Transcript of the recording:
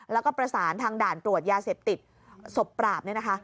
แล้วก็ประสานทางด่านตรวจยาเสพติดศพปราบเนี่ยนะคะ